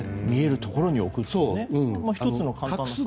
見えるところに置くという１つの考え方。